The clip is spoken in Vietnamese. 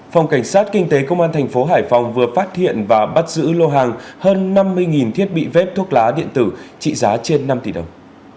phòng cảnh sát kinh tế công an thành phố hải phòng vừa phát hiện và bắt giữ lô hàng hơn năm mươi thiết bị vép thuốc lá điện tử trị giá trên năm tỷ đồng